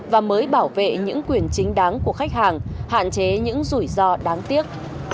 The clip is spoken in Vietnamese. và mới bảo vệ những quyền chính đáng của khách hàng hạn chế những rủi ro đáng tiếc